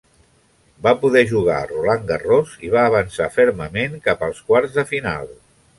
Va poder jugar a Roland Garros i va avançar fermament cap als quarts de final.